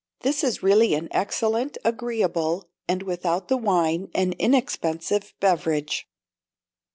This is really an excellent, agreeable, and, without the wine, an inexpensive beverage.